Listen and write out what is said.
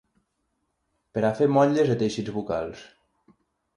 Per a fer motlles de teixits bucals.